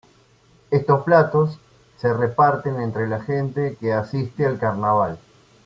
Estos platos se reparten entre la gente que asiste al carnaval.